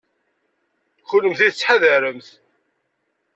Kennemti tettḥadaremt.